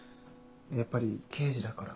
やっぱり刑事だから？